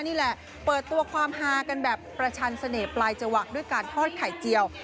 นี่แหละเปิดตัวความฮากันแบบประชันเสน่ห์ปลายจวักด้วยการทอดไข่เจียว